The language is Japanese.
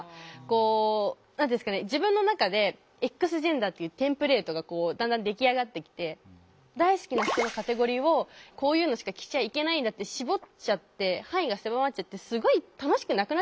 こう自分の中でＸジェンダーっていうテンプレートがだんだん出来上がってきて大好きな服のカテゴリーをこういうのしか着ちゃいけないんだって絞っちゃって範囲が狭まっちゃってすごい楽しくなくなっちゃったんですよ。